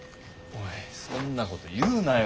おいそんなこと言うなよ。